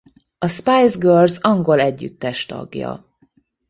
A Spice Girls angol együttes tagja.